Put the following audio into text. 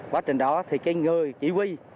quá trình đó thì cái người chỉ huy